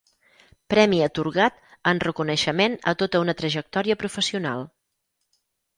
Premi atorgat en reconeixement a tota una trajectòria professional.